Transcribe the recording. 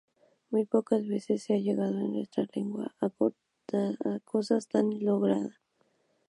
Muy pocas veces se ha llegado en nuestra lengua a cosa tan lograda.